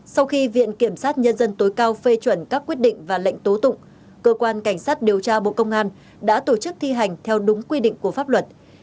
sau khi viện kiểm sát nhân dân tối cao phê chuẩn các quyết định và lệnh tố tụng cơ quan cảnh sát điều tra bộ công an đã tổ chức thi hành theo đúng quy định của pháp luật